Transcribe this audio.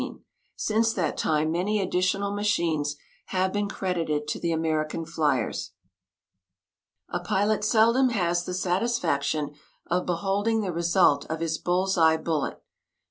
Since that time many additional machines have been credited to the American flyers.] A pilot seldom has the satisfaction of beholding the result of his bull's eye bullet.